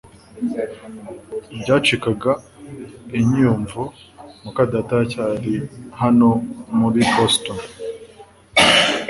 I byacikaga inyiyumvo muka data aracyari hano mu Boston